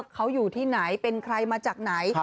เขาอยู่ที่ไหนเป็นใครมาจากไหน